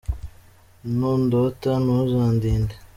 Nundota ntuzandinde